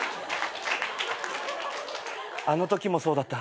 あのときもそうだった。